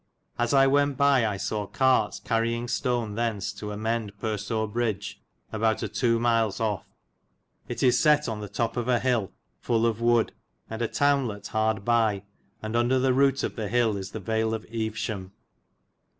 As I went by I saw carts carienge stone thens to amend Persore Bridge about a ii. miles of. It is set on the tope of an hill full of wood, and a townelet hard by, and undar the roote of the hille is the Vale of Eovesham.